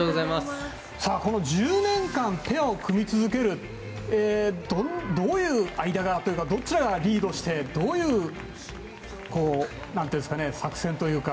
１０年間ペアを組み続けるどういう間柄というかどちらがリードしてどういう作戦というか。